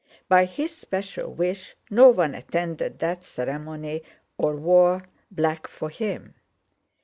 By his special wish no one attended that ceremony, or wore black for him.